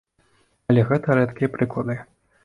Але гэта рэдкія прыклады.